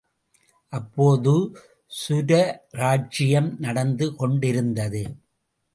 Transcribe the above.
அப்போது சுரராஜ்யம் நடந்து கொண்டிருந்தது.